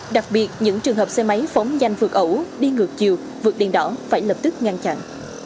đặc biệt những trường hợp xe máy phóng danh vượt ẩu đi ngược chiều vượt đèn đỏ phải lập tức ngăn chặn